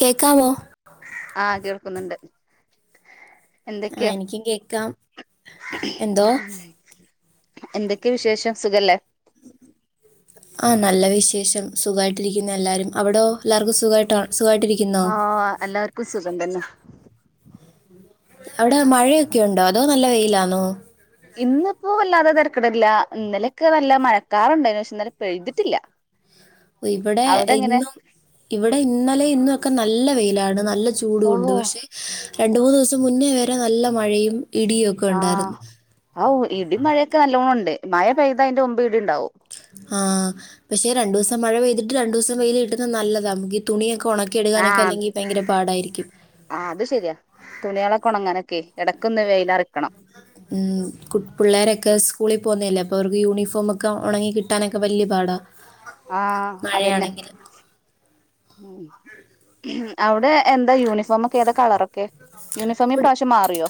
കേക്കാവോ ആ കേൾക്കുന്നുണ്ട്. ആ എന്തൊക്കെയാ എനിക്കും കേക്കാം എന്തോ എന്തൊക്കെയ വിശേഷം സുഖല്ലേ ആ നല്ല വിശേഷം സുഖായിട്ടിരിക്കുന്നെല്ലാരും. അവിടോ എല്ലാർക്കും സുഖായിട്ടാ ആ എല്ലാർക്കും സുഖം തന്ന. അവിടെ മഴയൊക്കെയുണ്ടോ, അതോ നല്ല വെയിലാന്നോ? ഇന്നിപ്പൊ വല്ലാതെ തരക്കെടില്ല ഇന്നലെക്കെ നല്ല മഴക്കാറുണ്ടാനു, പക്ഷെ ഇന്നലെ പെയ്തിട്ടില്ല. ഇവ്ടെ അവിടെ എങ്ങനെ ഇന്നും ഇവടെ ഇന്നലേം ഇന്ന് ഒക്കെ നല്ല വെയിലാണ് നല്ല ചൂടു ഓ ഒണ്ട്. പക്ഷേ രണ്ട് മൂന്ന് ദിവസം മുന്നേ വരെ നല്ല മഴയും ഇടിയൊക്കെ ഉണ്ടാരുന്ന്. ഇടിമഴയൊക്ക നല്ലോണൊണ്ട് മഴ പെയ്തയിന്റെ ഒ ആ പക്ഷെ രണ്ടുവസം മഴ പെയ്തിട്ട് രണ്ടുവസം വെയില് കിട്ടുന്നത് നല്ലതാ ങ്കി തുണിയൊക്ക ഒണക്കിയെടുകാനൊക്കെ ആഹ് അല്ലെങ്കി പയങ്കര പാടായിരിക്കും. ഒണങ്ങാനൊക്കെ എടക്കൊന്ന് വെയ്ലാറി ഉം കു പുള്ളാരൊക്ക സ്കൂളി പോകുന്നയല്ലേ അ പ്പോ അവർക്ക് യൂണിഫോമൊക്ക ഒണങ്ങി കിട്ടാനൊക്ക വലിയ പാടാ. ആ അതന്നെ. മഴയാണെങ്കിൽ അവ്ടെ എന്താ യൂണിഫോമക്കെ ഏതാ കളറൊ ഇവിടെ യൂണിഫോമിപ്രാവശ്യം മാറിയോ?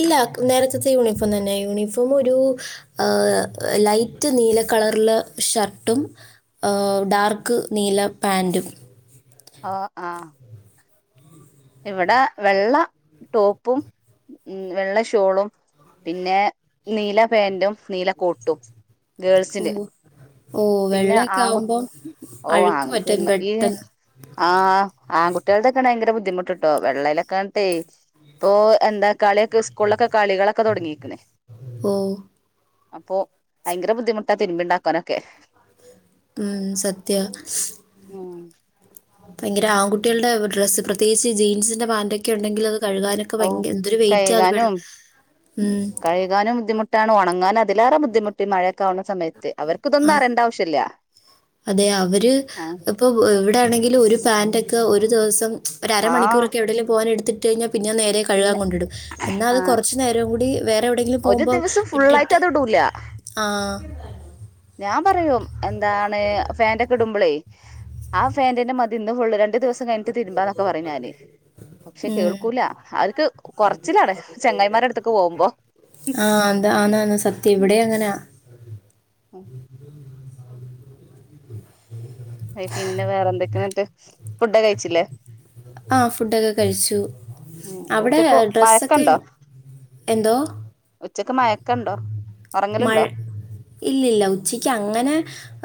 ഇല്ല നേരത്തത്തെ യൂണിഫോം തന്നെ, യൂണിഫോം ഒരു ആ ലൈറ്റ് നീല കളറ്ള്ള ഷർട്ടും ഡാർക്ക് നീല പാന്റും. ഓ ആ ഇവട വെള്ള ടോപ്പും മ് വെള്ള ഷോളും പിന്നെ നീല പാന്റും നീല കോട്ടും ഓ ഗേൾസില് ഓ പിന്നെ വെള്ളയൊക്കെ ആങ്കുട് ആവുമ്പോൾ ഓ അഴുക്ക് അങ് പറ്റും പിന്ന് ഈ പെട്ടെന്ന് ആ ആങ്കുട്ടികൾടെയക്ക ണയങ്കര ബു റ്റ്ട്ടോ വെള്ളയിലൊക്കാൾത്തെ ഇപ്പൊ എന്താ കളിയൊക്കെ സ്കൂളിലൊക്കെ കളികളൊക്ക തുടങ്ങിരിക്ക‌ണ്. ഓ അപ്പൊ ഭയങ്കര ബുദ്ധിമുട്ടാ തിരുമ്പിണ്ടാക്കാനൊക്കെ. മ് സത്യാ മ് പൈങ്കര ആങ്കുട്ടികൾടെ ഡ്രസ്സ് പ്രത്യേകിച്ച് ജീൻസ് ന്റ പാൻൊക്കെ ഉം ഉണ്ടെങ്കിൽ അത് കഴുകാനൊക്ക ഓ ഭയങ്ക് എന്തൊരു വെയിറ്റാത് വെൾ കഴുകാനും കഴുകാനും ബുദ്ധിമുട്ടാണ് ഒണങ്ങാനതിലേറെ ബുദ്ധിമുട്ടീ മഴയ ക്കാവണ സമയത്ത് ആ അവർക്കിതൊന്നും അറിയേണ്ട ആവശ്യല്ല. അതെ അവര് ഇപ്പൊ ഇവ്ടെ ആണെങ്കിലും ഒരു പാന്റ ക്ക ഒരു ദിവസം ഒരര ആ മണിക്കൂറൊക്കെ എവിടേലും പോവാൻ എട്ത്തിട്ട് കഴിഞ്ഞാ പിന്ന നേരെ കഴുകാൻ പിന്നെ കൊണ്ടിടും എന്നാ അത് ആ കൊറച്ചു നേരം കൂടി വേ എവിടെയെങ്കിലും ഒരു പോവുമ്പോ ദിവസം ഫുള്ളായിട്ട് ഇട്ടിട്ട് അത് ഇടൂല ആ ഞാമ്പറയും എന്താണ് ഫാന്റക്കെ ഇടുമ്പളേ ആ ഫാന്റ് ന്നെ മതി ഇന്ന് ഫുള്ള് ര ണ്ട് ദിവസം കഴിഞ്ഞ്ട്ട് തിരുമ്പാന്നൊക്കെ പറയും ഞാന് പക്ഷെ ഉം കേൾക്കൂല അവർക്ക് കൊറച്ചിലാണ് ചെ ങ്ങായിമാരടുത്തക്ക് പോവുമ്പോ ആ എന്താ ആന്നാന്ന് സത്യം ഇവിടേം അങ്ങനാ ഉം അ പിന്നെ വേറെന്തൊക്കെയന്നട്ട് ഫുഡ കഴിച്ചില്ലേ ആ ഫുഡൊക്കെ കഴിച്ചു ഉം അവിടെ ഉച്ചക്ക് ഡ്രസ്സൊക്കെ മയക്കണ്ടോ എന്തോ ഉച്ചക്ക് മഴക്കണ്ടോ മഴ ഇല്ലല്ല ഉച്ചക്ക് അങ്ങനെ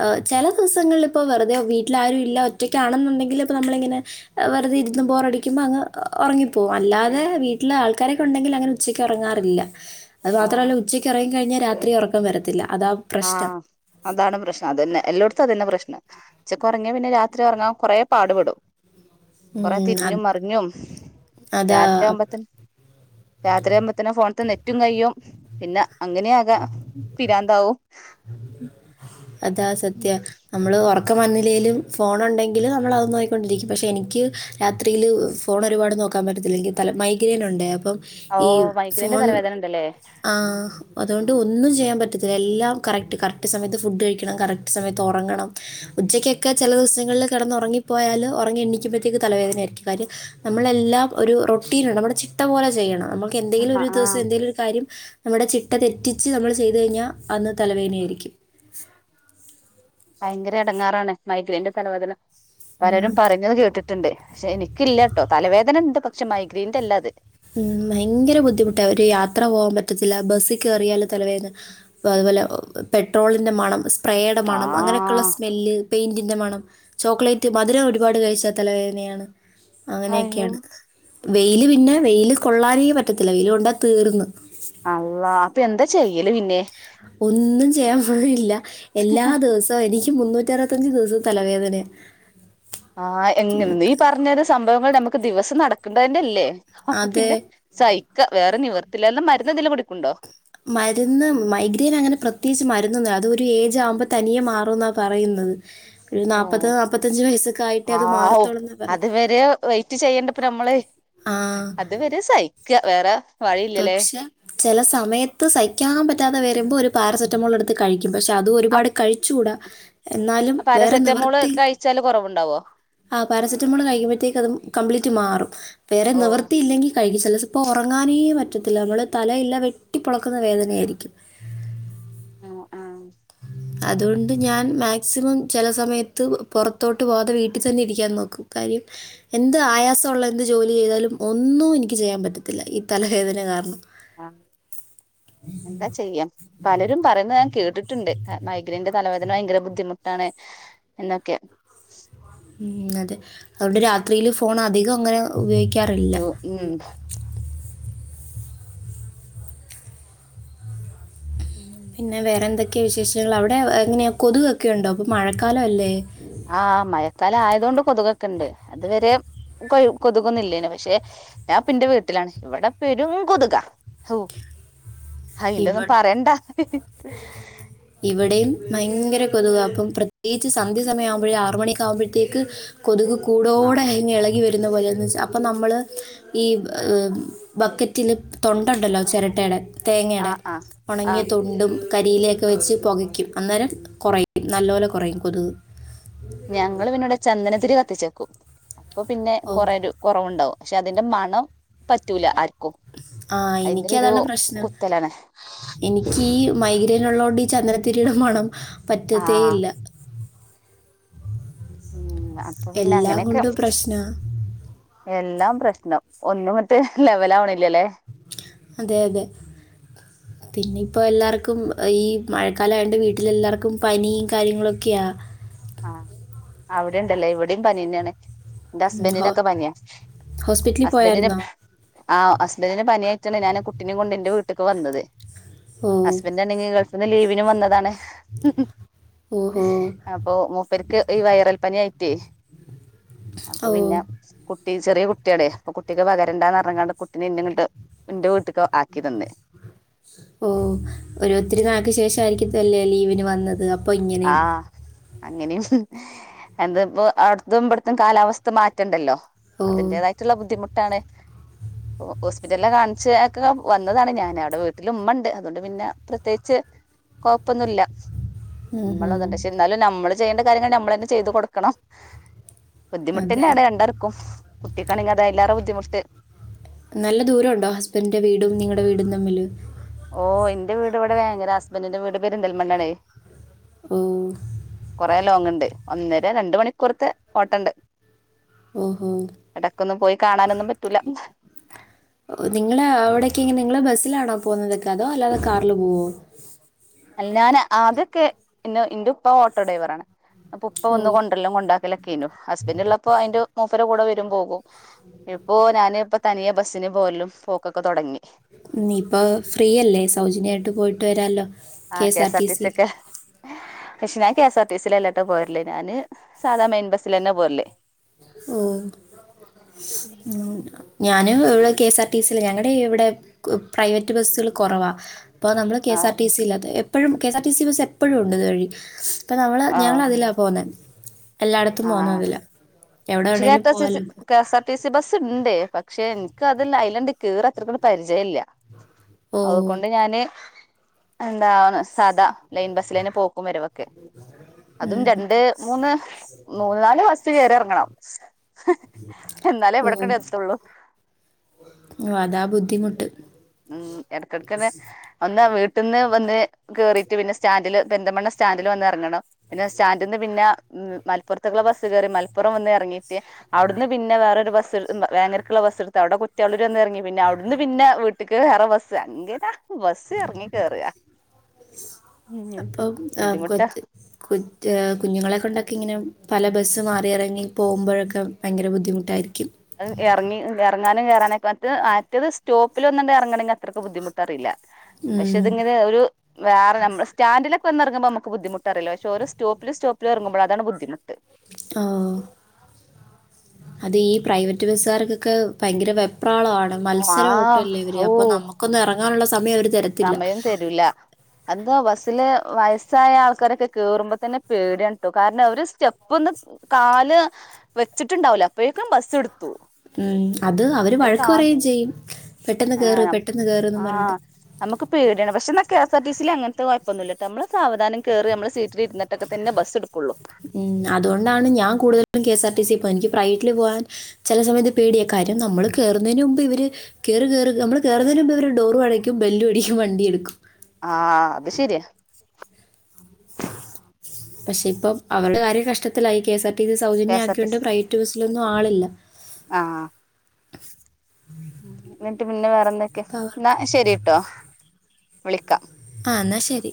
എ ചില ദിവസങ്ങളിൽ ഇപ്പൊ വെറുതെ വീട്ടിൽ ആരു ഇല്ല ഒറ്റയ്ക്കാണെന്നുണ്ടെങ്കിൽ ഇപ്പോ നമ്മള ഇങ്ങനെ വെറുതെ ഇ ന്ന് ബോറടിക്കുമ്പോ അങ്റങ്ങപ്പോകും അല്ലാതെ വീട്ടില് ആൾക്കാരൊക്കെ ഉണ്ടെങ്കിൽ അങ്ങനെ ഉച്ചയ്ക്ക് ഉറങ്ങാറില്ല അത് ആ മാത്രമല്ല ഉച്ചയ്ക്ക് ഉറങ്ങി കഴിഞ്ഞാൽ രാത്രി ഉറക്കം വരത്തില്ല അതാ പ്രശ്നം. ആഹ് അതാണ് പ്രശ്നം അതന്നെ എല്ലാടത്തും അതന്നെ പ്രശ്നം നംഉച്ചക്ക ഉറങ്ങിയ പിന്നെ രാത്രി ഉറങ്ങാൻ കൊറെ പാടുപെടും കൊറെ ഉം. അത് തിരിഞ്ഞും മറിഞ്ഞും അതാ രാത്രിയാവുമ്പോത്തന് രാത്രിയകുമ്പത്തനെ ഫോണ്ത്തെ നെ റ്റും കയും പിന്നെ അങ്ങനെയ ആകെ പിരാന്താവും അതാ സത്യ നമ്മള് ഉറക്കം വന്നിലേയിലും ഫോണുണ്ടെങ്കിൽ നമ്മള അതൊന്നയിക്കൊണ്ടിരിക്കും പക്ഷെ എനിക്ക് രാത്രിയിൽ ഫോൺ ഒരുപാട് നോക്കാൻ പറ്റത്തില്ലെങ്കിൽ തല മൈഗ്രേൻ ഉണ്ട് അപ്പം ഓ ഈ മൈഗ്രേന്റെ ഫോൺ തലവേദന ഉണ്ടല്ലേ ആ അതുകൊണ്ട് ഒന്നും ചെയ്യാൻ പറ്റത്തില്ല എല്ലാം കറക്റ്റ് കറക്റ്റ് സമയത്ത് ഫുഡ് കഴിക്കണം കറക്റ്റ് സമയത്ത് ഉറങ്ങണം ഉച്ചക്കൊക്കെ ചില ദിവസങ്ങളിൽ കടന്നറങ്ങി പോയാല് ഉറങ്ങി എണിക്കുമ്പഴത്തേക്ക് തലവേദന ആായിരിക്കും കാര്യ നമ്മളെല്ലാം ഒരു റൊട്ടീന നമ്മുടെ ചിട്ട പോലെ ചെയ്യണം ന എന്തെങ്കിലും ആ ഒരു ആ ദിവസം എന്തെലിലും ഒരു കാര്യം നമ്മുടെ ചിട്ട തെറ്റിച്ച് നമ്മൾ ചെയ്ത് കഴിഞ്ഞാൽ അന്ന് തലവേനയായിരിക്കും ഭയങ്കര എടങ്ങാറാണ് മൈഗ്രേന്റെ തലവദന പലരും ഉം. പറഞ്ഞത് കേട്ടിട്ടുണ്ട് പക്ഷെ എനിക്കില്ല കേട്ടോ തലവേദന ഉണ്ട് പക്ഷെ മൈഗ്രയിൻറ അല്ലാ അത് ഉം ഭയങ്കര ബുദ്ധിമുട്ട് ഒരു യാത്ര പോകാൻ പറ്റത്തില്ല ബസ്സിൽ കയറിയാല തലവേന്ന് അതുപോലെ പെട്രോളിൻ്റെ മണം സ്പ്രേയുടെ ആ മണം അങ്ങനെയൊക്കെയുള്ള സ്മെല്ല് പെയിന്റിന്റെ മണം ചോക്ലേറ്റ് മധുരം ഒരുപാട് കഴിച്ച തലവേദനയാണ് അയ്യോ അങ്ങനെയൊക്കെയാണ് വെയില് പിന്നെ വെയില് കൊള്ളാനേ പറ്റത്തില്ല വെയില് കൊണ്ടാ തീർന്ന് ചെയ്യല്ലേ പിന്നെ ഒന്നും ചെയ്യാൻ പോവില്ല എല്ലാ ദിവസവും എനിക്ക് മുന്നൂറ്റി അറുപത്തഞ്ച ദിവസ തലവേദന ആഹ് എങ്ങനെ നീ പറഞ്ഞത് സംഭവങ്ങൾ നമുക്ക് ദിവസം നടക്കണ്ടതിന്റെ അല്ലേ അപ്പൊ അതെ പിന്നെ സഹിക്ക വേറെ നിവർത്തില്ലും മരുന്ന്ന്തെലും കുടിക്കുണ്ടോ മരുന്ന് മൈഗ്രെൻ അങ്ങനെ പ്രത്യേകിച്ച് മരുന്നന്ന അത് ഒരു ഏജ് ആകുമ്പോ തനിയെ മാറും എന്നാ പറയുന്നത് ഒരു ഓ നാൽപ്പത് നാൽപ്പത്തഞ്ച് വയസ്സൊക്കെ ആയിട്ടേ ആ അത് മാറത്തുള്ളൂ എന്നാണ് പറയുന്നത് അത്വരെ വെറ്റ് ചെയ്യണ്ടപ്പ നമ്മള് ആ അതവരെ സഹിക്ക വേറെ വഴിയില്ലല്ലേ പക്ഷെ ചില സമയത്ത് സഹിക്കാൻ പറ്റാതെ വരുമ്പോ ഒരു പാരസെറ്റമോൾ എടുത്ത് കഴിക്കും ക്കും പക്ഷെ അത് അ ഒരുപാട് കഴിച്ചുകൂടാ എന്നാലും പാരസെറ്റമോള് കഴിച്ചാല് കുറവുണ്ടാവോ ആ് പാരസെറ്റമോൾ കഴിക്കുമ്പോഴത്തേക്ക അത് കംപ്ലീറ്റ് മാറും വേറെ ഓ നിവർത്തിയില്ലെങ്കിൽ കഴ ഉറങ്ങാനേ പറ്റത്തില്ല നമ്മുടെ തലയെല്ലാം വെട്ടി പൊളിക്കുന്ന വേദനയായിരിക്കും ആഹ ആഹ അതുകൊണ്ട് ഞാൻ മാക്സിമം ചില സമയത്ത് പുറത്തോട്ട് പോവാതെ വീട്ടിൽ തന്നെ ഇരിക്കാൻ നോക്കും കാര്യ എന്ത് ആയാസമള്ള എന്ത് ജോലി ചെയ്താലും ഒന്നും എനിക്ക് ചെയ്യാൻ പറ്റത്തില്ല ഈ തലവേദന കാരണം ആ എന്താ ചെയ്യാം പലരും പറയുന്ന ഞാൻ കേട്ടിട്ടുണ്ട് മൈഗ്രീന്റെ തലവേദന ഭയങ്കര ബുദ്ധിമുട്ടാണ് എന്നൊക്കെ ഉ അതെ അതുകൊണ്ട് രാത്രിയില് ഫോൺ അധികം അങ്ങനെ ഉപയോഗിക്ക ഉം പിന്നെ വേറെ എന്തൊക്കെയാ വിശേഷങ്ങൾ അവിടെ എങ്ങനെയാ കൊതുകൊക്കെ ഉണ്ടോ ഇപ്പൊ മഴക്കാലം അല്ലേ ആഹ മഴക്കാലം ആയതൊണ്ട് കൊതുകൊക്കെണ്ട് അതുവരെ കൊതുക്കുന്നില്ലേന് പക്ഷെ ഞാൻ ഇപ്പേന്റെ വീട്ടിലാണ് ഇവിടെ പെരും കൊതുകാ ഇ അയിന്റെയൊന്നും പറയണ്ട ഇവിടെയും ഭയങ്കര കൊതുകാപ്പോ പ്രത്യേകിച്ച് സന്ധ്യ സമയംവുമ്പോഴേ ആറ മണിക്ക ആകുമ്പോഴത്തേക്ക് കൊതുക് ആ കൂടടെ ഇങ്ങി ഇളകി വരും. പോലെ അപ്പോൾ നമ്മള് ഈ ബക്കറ്റില് തൊണ്ട ഉണ്ടല്ലോ ചിരട്ടയുടെ ആ തേങ്ങ്ടെ ആ ആ ഉണങ്ങിയ തൊണ്ടും - കരിയിലൊക്കെ വെച്ച് പുകയ്ക്കും അന്നേരം കൊറയുംയും നല്ല പോലെ കൊറയും കൊതുക് ഞങ്ങളും പിന്നോട് ചന്ദനതിരി കത്തിച്ചേക്കും അപ്പൊ പിന്നെ ഓ കുറ ഒരു കുറവുണ്ടാവും പക്ഷെ അതിന്റെ മണം പറ്റൂല ആർ ആഹ എനിക്ക് അതുള്ള പ്രശ്നം കുത്തലാണ് എനിക്ക്മൈക രിനള്ളോണ്ട് ഈ ചന്ദനത്തിരിയുടെ മണം പറ്റത്തേ ആഹ് ഇല്ല ഉ അപ്പൊ പിന്നെ എല്ലാം അങ്ങനെയൊക്കെ കൊണ്ടും പ്രശ്നമാണ് എല്ലാം പ്രശ്നം ഒന്നും മറ്റേ ലെവല ആവണില്ലല്ലേ അതെ അതെ പിന്നെ ഇപ്പോ എല്ലാവർക്കും ഈ മഴക്കാലംയണ്ട് വീട്ടില എല്ലാവർക്കും പനിയും കാര്യങ്ങളൊക്കെയ ആഹ അവിടെണ്ടല്ലേ ഇവിടെയും പനന്നെയാണ്. ഉം, ഹോ- അസ്ബൻഡിനൊക്കെ പനിയാ ഹോസ്പിറ്റലിൽ ഹസ്ബൻറ്റിന്ആ പോയായിരുന്നോ ഹസ്ബൻഡന്റെ പനിയെ അ ഞാൻ കുട്ടിനെ കൊണ്ട് എന്റെ വീട്ടിലക്ക് വന്നത് ഓ ഹസ്ബന്റ് ആണെങ്കിൽ ഗേൾഫീന്ന് ലീവിന് വന്നതാണ്. ഓഹോ ഓ അപ്പൊ മൂപ്പേർക്ക് ഈ വൈറൽ പനി ആയിട്ടേ അപ്പൊ ഓ പിന്നെ കുട്ടി ചെറിയ കുട്ടിയടടെ അപ്പൊ കുട്ടിക്ക് പകരണ്ടാന്ന് പറഞ്ഞാണ്ട് കുട്ടിനെ ഇന്ന ഇട്ട് എന്റെ വീട്ടക്ക് ആക്കി തന്നെ ഓ ഒരു ഒത്തിരി നാൾക്ക് ശേഷം ആരിക്കതല്ലേ ലീവിന് വന്നത് അപ്പൊ ഇങ്ങനെ അങ്ങനെയും എന്താപ്പൊ അവിടത്തും ഇവിടത്തും കാലാവസ്ഥ മാറ്റണ്ടല്ലോ? ഓ അതിന്റേതായിട്ടുള്ള ബുദ്ധിമുട്ടാണ്. ഹോസ്പിറ്റലില കാണിച്ചക്കെ വന്നതാണ് ഞൻ അവിടെ വീട്ടില ഇമ്മണ്ട് അതുകൊണ്ട് പിന്നെ പ്രത്യേകിച്ച് കൊഴപ്പൊന്നുല്ല. ഉം, ഉം. നമ്മളന്നണ്ടഷെ എന്നാലും നമ്മള് ചെയ്യേണ്ട കാര്യങ്ങൾ നമ്മൾ ചെയ്തു കൊടുക്കണം. ബുദ്ധിമുട്ട് അതെ തന്നെയാണ് രണ്ടർക്കും കുട്ടിക്കാണെങ്കിൽ അത എല്ലാരും ബുദ്ധിമുട്ട്. നല്ല ദൂരംണ്ടോ ഹസ്ബൻഡന്റെ വീടും നിങ്ങളടെ വീടും തമ്മില്. ഓ എന്റെ വീട് ഇവിട ഓ കു റെലോങ് ഉണ്ട് ഒന്നര രണ്ട മണിക്കൂറത്തെ ഓട്ടണ്ട്. ഓഹോ ഇടക്കൊന്നും പോയി കാണാനൊന്നും പറ്റൂല. നിങ്ങള അവിടക്കെ ഇനെ നി സിലാണോ പോകുന്നതൊക്കെ അതോ അല്ലാതെ കാറില് പോവോ? അ ഞാൻ ആദ്യക്കെ ഇന്ന് എന്റെ ഉപ്പ ഓട്ടോ ഡ്രൈവറാണ്. പ്പ ഉപ്പ ഒന്ന ഓ കൊണ്ടല്ല കൊണ്ടാക്കലൊക്കെു ഹസ്ബൻറ് ഉള്ളപ്പോ അയ്ന്റെ മൂപ്പര കൂടെ വരും പോകും ഇപ്പോ ഞൻ ഇപ്പോ തനിയ ബസ്സിന് പോലും പോക്കൊക്കെ തുടങ്ങി നീ ഇപ്പോ ഫ്രീയല്ലേ സൗജന്യയിട്ട് പോയിട്ട് വരാമല്ലോ? ആഹ K S R T C ഒക്ക പക്ഷെ ഞാൻ K S R T C അല്ലാട്ട് പോയിരില്ലേ ഞാന് സാദാ മെയിൻ ബസ്സൽ തന്നെ പോരല് ഓ മ് ഞാൻ - ഞങ്ങടെഇവിടെ K S R T C, അല്ലേ ഞങ്ങള ഇവിടെ പ്രൈവറ്റ് ബസ്സുകൾ കൊറവാ ഇപ്പ നമ്മള് കെ ആ എസ് ആർ ടി സിയില്ലാത്ത എപ്പോഴും K S R T C bus എപ്പോഴും ഉണ്ട് ഇതുവഴി അപ്പ നമ്മള് ആ ഞങ്ങള അതിലാ പോന്നെ എല്ലാടത്തും പോന്ന അതിലാ പക്ഷേ K S R T C K S R T C bus ഇണ്ട് പക് ക്ഷെ എനിക്ക് അതല്ല അയ്ലണ്ട് കേറിയ അത്രക്കൂ പരിചയ ഇല്ല ഓ അതുകൊണ്ട് ഞാന് എന്താണ് സ് സാധാ ലൈൻ ബസിലെന്നെ പോക്കും വരവൊക്കെ അതും ഉം. രണ്ട്, മൂന്ന് നാല് ബസ്സ് കേറി എറങ്ങണം എന്നാലേ ഓ ഇവിടെക്കണ്ട് എത്തുള്ളു ഓ അതാ ബുദ്ധിമുട്ട് ഉം എടക്കെടക്കെന്നെ ഒന്നാ വീ ട്ട്ന്ന് വന്ന് കേറിട്ട് പിന്നെ സ്റ്റാൻഡില് പെരിന്തൽമണ്ണ സ്റ്റാൻഡില് വന്ന് എറങ്ങണം പിന്നെ സ്റ്റാൻഡിന്ന് പിന്ന മ് മലപ്പുറത്തേക്കുള്ള ബസ്സ് കേറി മലപ്പുറം വന്ന് എറങ്ങീട്ട് അവിട്ന്ന് പിന്നെ വേറൊരു ബസ്സ് ഇ ബ വേങ്ങരക്ക്ള്ള ബസ് സ് ട്ത്ത് അവിടെ കുറ്റളൂര് വന്നെറങ്ങി പിന്നെ അവിടുന്ന് പിന്നെ വീ ട്ടക്ക് വേറെ ബസ് അങ്ങനാ ബസ് എറങ്ങി കേറാ അപ്പൊ ആ ബുദ്ധിമുട്ട കൊച്ച് കുറ്റ്യാ ആ കുഞ്ഞുങ്ങളെ കൊണ്ടൊക്കെ ഇങ്ങനമ് പല ബസ്സ് മാറിയെറങ്ങി പോവുമ്പഴക്ക ഭയങ്കര ബുദ്ധിമുട്ടായിരി അഹ് എറങ്ങി എറ ങ്ങാനും കേറാനൊക്ക മറ്റത് മറ്റത് സ്റ്റോപ്പിലൊന്നണ്ട് എറങ്ങണെങ്ക അത്രക്ക് ബുദ്ധിമുട്ടറിയില്ല പക്ഷെ ഉം ഇതിങ്ങനെ ഒരു വേറെ നമ്മള് സ്റ്റാൻഡില് വന്നെറങ്ങുമ്പോ മ്മുക്ക് ബുദ്ധിമുട്ടറിയില്ല പക്ഷേ ഒരോ സ്റ്റോപ്പില് സ്റ്റോപ്പിലെറുമ്പോഴ അതാണ് ബുദ്ധിമുട്ട് ഓ ഓ അത് ഈ പ്രൈവറ്റ് ബസ്സുകാർക്കൊക്കെ ഭയങ്കര വെ പ്രാളാണ് ആഹ് മത്സരോട്ടല്ലേ ഇവര് ഓ അപ്പം നമുക്കൊന്ന് എറങ്ങാനുള്ള സമയം അവര് തരത്തില്ല സമയം തരൂല എന്താ ബസ്സില് വയസ്സായ ആൾക്കാരൊക്ക കേറുമ്പോ തന്നെ പേടിയാണ് ട്ടോ കാരണം അവര് സ്റ്റെപ്പൊന്ന് കാല് വെച്ചിട്ടുണ്ടാവുല്ല അപ്പോഴേക്കും ബസ്സ്ട് ഉം അത് അവര് വഴക്ക് പറയും ചെയ്യും പെട്ടെന്ന് കേറ് ആഹ് പെട്ടെന്ന് കേറന്ന് ആഹ് പറഞ്ഞിട്ട് നമുക്ക് പേ ട്യാണ് പക്ഷെ എന്നാ K S R T C ല് അങ്ങനത്തെ കുഴപ്പൊന്നുല്ലട്ട മ്മള് സാവധാനം കേറി നമ്മള് സീറ്റില് ഇരുന്നിട്ടൊക്ക തന്നെ ബസ്സ് ഇട് ഉം അതുകൊണ്ടാണ് ഞാൻ കൂടുതൽ ലും K S R T C പൂവാ എനിക്ക് പ്രൈവറ്റില് പോവാൻ ചെല സമയത്ത് പേടിയ കാര്യം നമ്മള് കേറുന്നതിന് മുമ്പ് ഇവര് കേറ് കേറ് നമ്മള് കേറുന്നതിന് മുമ്പ് ഇവര് ഡോർ അടക്കും ബെല്ലും അടിക്കും വണ്ടീം എടുക്കും ആ ആ അത് ശരിയാ പക്ഷെ ഇപ്പം അവരുടെ കാര്യം കഷ്ടത്തിലായി കെ എസ് ആർ ടി ല് കെ സൗജന്യ എസ് ആർ ടി ആക്കിയോണ്ട് സി പ്രൈവറ്റ് ബസ്സിലൊന്നും ആളില്ല ന്നിട്ട് പിന്നെ വേറെന്തൊക്കെ അപ്പം എന്നാ അവർക്ക് ശരിട്ടോ വിളിക്കാ ആ ന്നാ ശരി